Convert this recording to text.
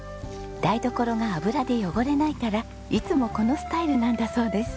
台所が油で汚れないからいつもこのスタイルなんだそうです。